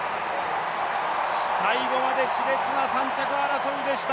最後までしれつな３着争いでした。